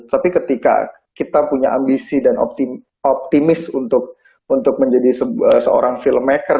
tapi ketika kita punya ambisi dan optimis untuk menjadi seorang filmmaker